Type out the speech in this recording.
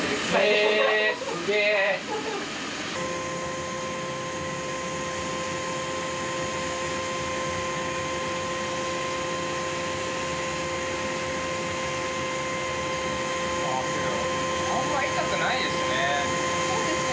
けどあんま痛くないですね。